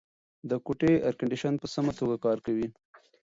د کوټې اېرکنډیشن په سمه توګه کار کوي.